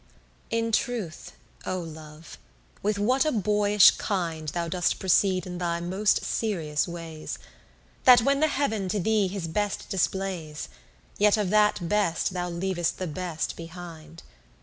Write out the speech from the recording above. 11 In truth, oh Love, with what a boyish kind Thou doest proceed in thy most serious ways: That when the heav'n to thee his best displays, Yet of that best thou leav'st the best behind.